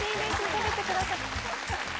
食べてください。